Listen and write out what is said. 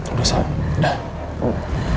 udah sa udah